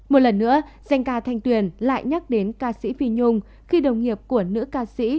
một lần nữa danh ca thanh tuyền lại nhắc đến ca sĩ phi nhung khi đồng nghiệp của nữ ca sĩ